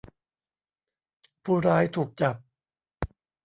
ผู้ร้ายถูกจับ